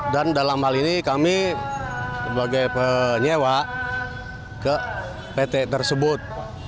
dan dalam hal ini kami sebagai penyewa ke pt tersebut